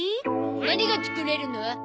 何が作れるの？